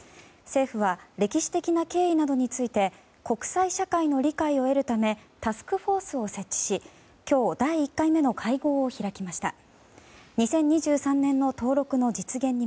政府は歴史的な経緯などについて国際社会の理解を得るためタスクフォースを設置し今日、第１回の会合を開きました。